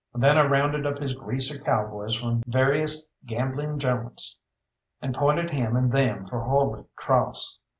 Then I rounded up his greaser cowboys from various gambling joints, and pointed him and them for Holy Cross.